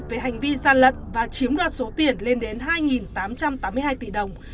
về hành vi gian lận và chiếm đoạt số tiền lên đến hai tám trăm tám mươi hai tỷ đồng